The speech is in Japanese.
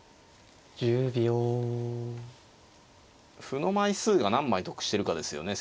歩の枚数が何枚得してるかですよね